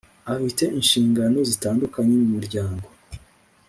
afite inshingano zitandukanye mu muryango